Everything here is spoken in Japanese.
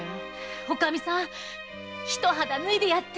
おカミさんひと肌脱いでやって！